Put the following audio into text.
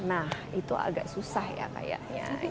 nah itu agak susah ya kayaknya